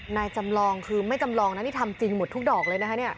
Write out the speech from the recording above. นายจำลองคือไม่จำลองนะนี่ทำจริงหมดทุกดอกเลยนะคะเนี่ย